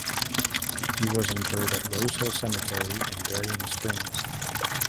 He was interred at Rose Hill Cemetery in Berrien Springs.